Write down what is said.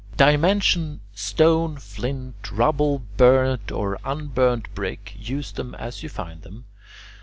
Dimension stone, flint, rubble, burnt or unburnt brick, use them as you find them.